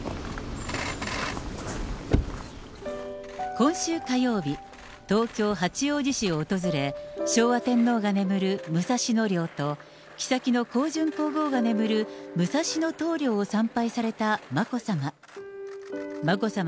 今週火曜日、東京・八王子市を訪れ、昭和天皇が眠る武蔵野陵と、きさきの香淳皇后が眠る武蔵野東陵を参拝された眞子さま。